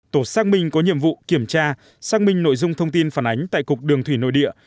tổ xác minh có nhiệm vụ kiểm tra xác minh nội dung thông tin phản ánh tại cục đường thủy nội địa